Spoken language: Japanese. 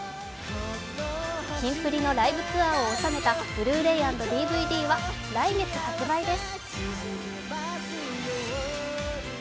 キンプリのライブツアーを収めたＢｌｕ−ｒａｙ＆ＤＶＤは来月発売です。